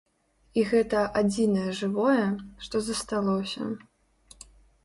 І гэта адзінае жывое, што засталося.